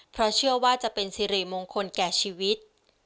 เพราะเชื่อว่าจะเป็นสิริมงคลแก่ชีวิต